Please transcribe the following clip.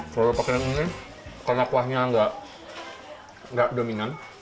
kalau pakai yang ini karena kuahnya nggak dominan